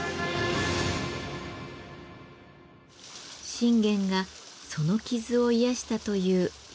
信玄がその傷を癒やしたという湯村温泉。